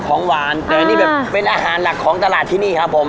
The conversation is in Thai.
ของหวานแต่นี่แบบเป็นอาหารหลักของตลาดที่นี่ครับผม